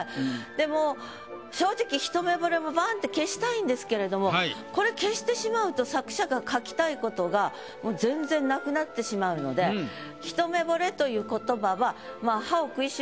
でも正直「一目惚れ」もバンって消したいんですけれどもこれ消してしまうと作者が書きたいことが全然なくなってしまうので「一目惚れ」という言葉は。